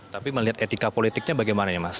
tapi melihat etika politiknya bagaimana ya mas